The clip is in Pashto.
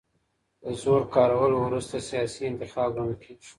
د زور کارول وروستی سياسي انتخاب ګڼل کېږي.